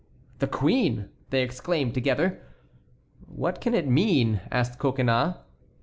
"The queen!" they exclaimed together. "What can it mean?" asked Coconnas.